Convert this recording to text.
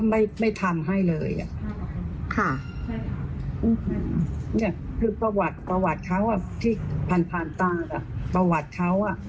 นี่คือประวัติเขาที่พันธาประวัติเขา